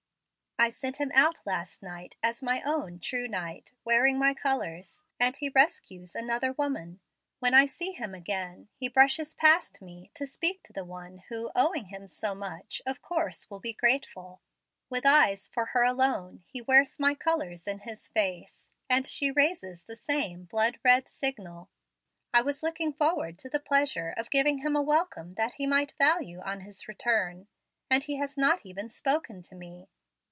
"I sent him out last night as my own 'true knight,' wearing my colors, and he rescues another woman. When I see him again he brushes past me to speak to the one who, owing him so much, of course will be grateful. With eyes for her alone he wears my colors in his face, and she raises the same blood red signal. I was looking forward to the pleasure of giving him a welcome that he might value on his return, and he has not even spoken to me.